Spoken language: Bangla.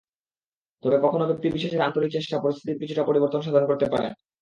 তবে কখনো ব্যক্তিবিশেষের আন্তরিক চেষ্টা পরিস্থিতির কিছুটা পরিবর্তন সাধন করতে পারে।